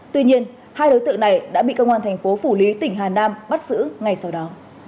tuy nhiên hai đối tượng này đã bị công an thành phố phủ lý tỉnh hà nam bắt giữ ngay sau đó